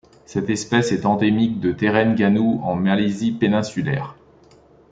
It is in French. Cette espèce est endémique du Terengganu en Malaisie péninsulaire.